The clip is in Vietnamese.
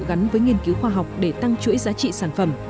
gắn với nghiên cứu khoa học để tăng chuỗi giá trị sản phẩm